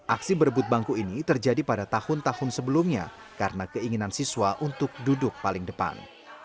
aksi berebut bangku ini terjadi pada tahun tahun sebelumnya karena keinginan siswa untuk duduk paling depan